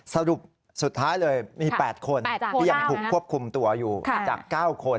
สรุปสุดท้ายเลยมี๘คนที่ยังถูกควบคุมตัวอยู่จาก๙คน